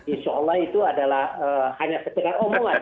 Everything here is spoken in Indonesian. insya allah itu adalah hanya sekedar omongan